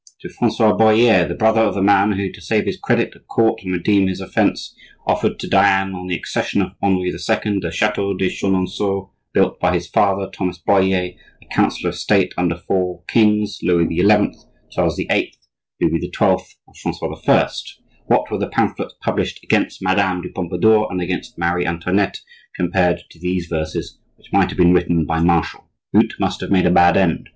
—to Francois Bohier, the brother of the man who, to save his credit at court and redeem his offence, offered to Diane, on the accession of Henri II., the chateau de Chenonceaux, built by his father, Thomas Bohier, a councillor of state under four kings: Louis XI., Charles VIII., Louis XII., and Francois I. What were the pamphlets published against Madame de Pompadour and against Marie Antoinette compared to these verses, which might have been written by Martial? Voute must have made a bad end.